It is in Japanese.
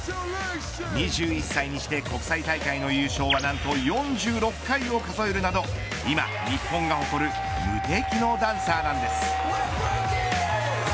２１歳にして国際大会の優勝は何と４６回を数えるなど今、日本が誇る無敵のダンサーなんです。